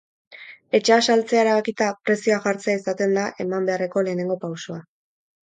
Etxea saltzea erabakita, prezioa jartzea izaten da eman beharreko lehenengo pausoa.